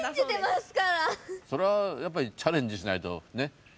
それはやっぱりチャレンジしないとね。